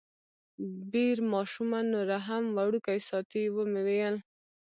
بیر ماشومه نوره هم وړوکې ساتي، ومې ویل.